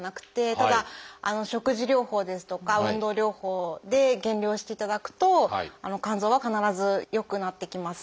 ただ食事療法ですとか運動療法で減量していただくと肝臓は必ず良くなってきます。